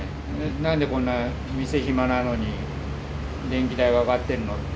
なんでこんな店暇なのに、電気代が上がってるのって。